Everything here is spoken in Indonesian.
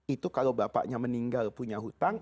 itu kalau bapaknya meninggal punya hutang